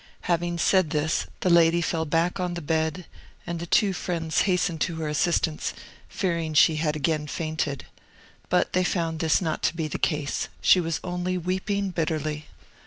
Having said this, the lady fell back on the bed, and the two friends hastened to her assistance, fearing she had again fainted. But they found this not to be the case; she was only weeping bitterly.